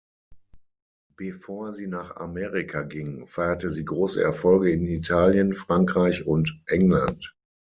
Bevor sie nach Amerika ging, feierte sie große Erfolge in Italien, Frankreich und England.